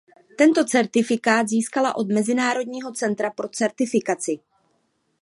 Tento certifikát získala od Mezinárodního centra pro certifikaci.